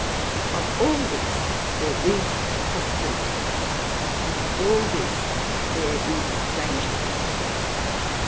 'Of all this there is possibility, and of all this there is danger.